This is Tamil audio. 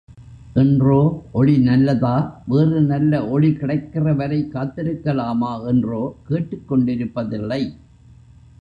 என்றோ ஒளி நல்லதா, வேறு நல்ல ஒளி கிடைக்கிறவரை காத்திருக்கலாமா என்றோ கேட்டுக்கொண்டிருப்பதில்லை.